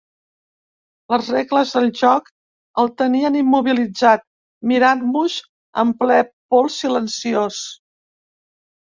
Les regles del joc el tenien immobilitzat, mirant-vos en ple pols silenciós.